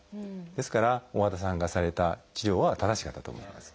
ですから大和田さんがされた治療は正しかったと思います。